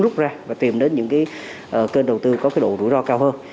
rút ra và tìm đến những kênh đầu tư có độ rủi ro cao hơn